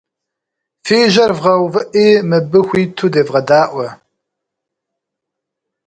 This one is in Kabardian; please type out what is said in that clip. Фи жьэр вгъэувыӏи мыбы хуиту девгъэдаӏуэ.